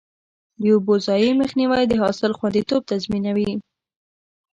د اوبو ضایع مخنیوی د حاصل خوندیتوب تضمینوي.